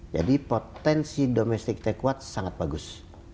potensi domestik kita kuat sangat bagus